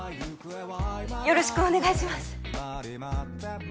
よろしくお願いします